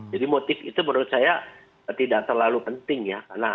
jadi motif itu menurut saya tidak terlalu penting ya